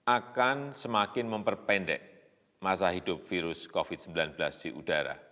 akan semakin memperpendek masa hidup virus covid sembilan belas di udara